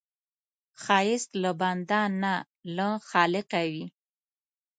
ښایست له بنده نه، له خالقه دی